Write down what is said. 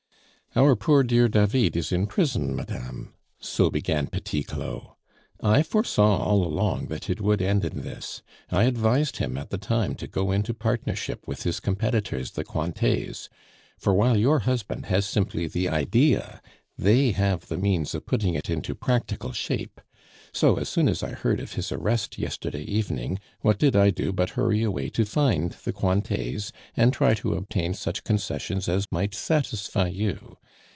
"Our poor, dear David is in prison, madame," so began Petit Claud. "I foresaw all along that it would end in this. I advised him at the time to go into partnership with his competitors the Cointets; for while your husband has simply the idea, they have the means of putting it into practical shape. So as soon as I heard of his arrest yesterday evening, what did I do but hurry away to find the Cointets and try to obtain such concessions as might satisfy you.